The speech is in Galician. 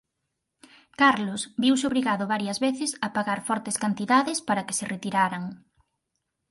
Carlos viuse obrigado varias veces a pagar fortes cantidades para que se retiraran.